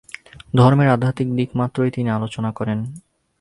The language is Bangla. ধর্মের আধ্যাত্মিক দিক মাত্রই তিনি আলোচনা করেন।